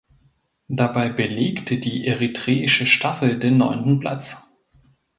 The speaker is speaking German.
Dabei belegte die eritreische Staffel den neunten Platz.